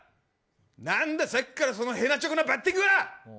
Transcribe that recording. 何だ、さっきからそのへなちょこなバッティングは。